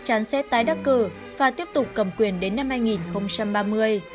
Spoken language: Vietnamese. chắn sẽ tái đắc cử và tiếp tục cầm quyền đến năm hai nghìn ba mươi